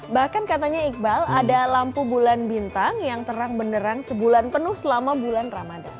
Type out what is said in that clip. bahkan katanya iqbal ada lampu bulan bintang yang terang benerang sebulan penuh selama bulan ramadan